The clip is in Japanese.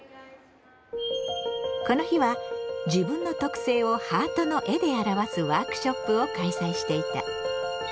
この日は自分の特性をハートの絵で表すワークショップを開催していた。